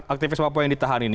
aktivis papua yang ditahan ini